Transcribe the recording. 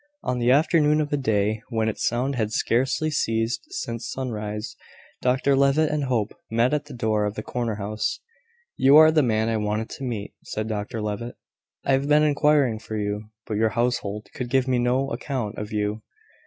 On the afternoon of a day when its sound had scarcely ceased since sunrise, Dr Levitt and Hope met at the door of the corner house. "You are the man I wanted to meet," said Dr Levitt. "I have been inquiring for you, but your household could give me no account of you.